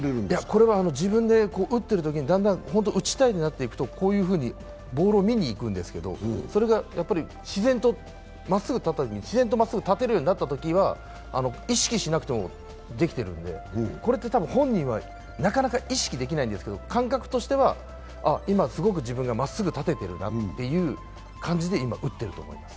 これは自分で打ってるときに、だんだん打ちたいになっていくとこういうふうに、ボールを見に行くんですけど、それが自然とまっすぐ立てるようになったときは、意識しなくてもできてるんで、これって多分、本人はなかなか意識できないんですけど感覚としては、今すごく自分がまっすぐ立ててるんだっていう感じで打ってると思います。